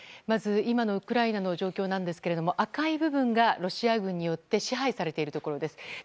まず、今のウクライナの状況ですが赤い部分がロシア軍によって支配されているところです。